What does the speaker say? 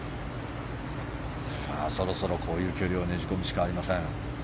そろそろこういう距離をねじ込むしかありません。